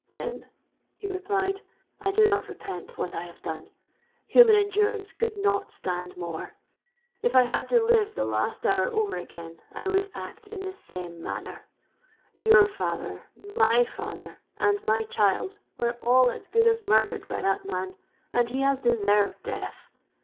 '—'Tim,' he replied, 'I do not repent what I have done. Human endurance could not stand more. If I had to live the last hour over again, I would act in the same manner. Your father—my father—and my child, were all as good as murdered by that man: and he has deserved death.